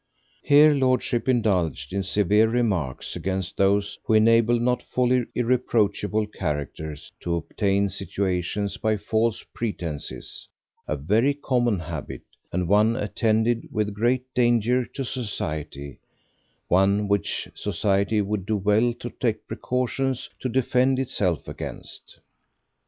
Here lordship indulged in severe remarks against those who enabled not wholly irreproachable characters to obtain situations by false pretences, a very common habit, and one attended with great danger to society, one which society would do well to take precautions to defend itself against.